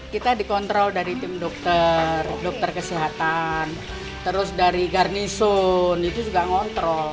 kita dikontrol dari tim dokter dokter kesehatan terus dari garnisun itu juga ngontrol